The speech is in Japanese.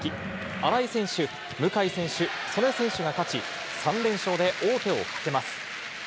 新井選手、向選手、素根選手が勝ち、３連勝で王手をかけます。